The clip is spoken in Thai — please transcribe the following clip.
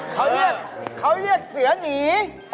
เขาเรียกเขาเรียกเสือหนี